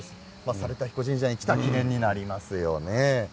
猿田彦神社に来た記念になりますよね。